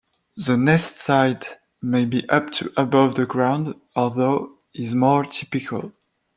The nest site may be up to above the ground, although is more typical.